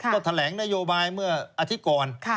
ก็แถลงนโยบายเมื่ออาทิตย์ก่อน